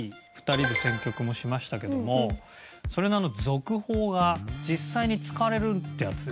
２人で選曲もしましたけどもそれの続報が実際に使われるってやつです。